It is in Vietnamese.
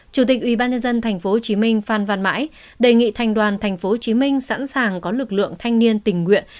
chủ tịch ubnd tp hcm phan văn mãi đề nghị thành đoàn tp hcm sẵn sàng có lực lượng thanh niên tình nguyện